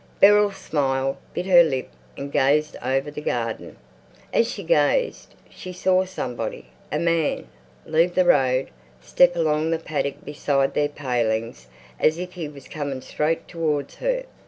Beryl smiled, bit her lip, and gazed over the garden. As she gazed, she saw somebody, a man, leave the road, step along the paddock beside their palings as if he was coming straight towards her.